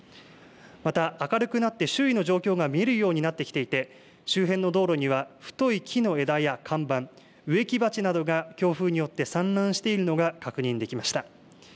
また明るくなって周囲の状況が見えるようになってきていて周辺の道路には太い木の枝や看板、植木鉢などが強風によって散乱しているのが確認できました。